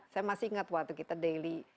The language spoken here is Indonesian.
saya masih ingat waktu kita daily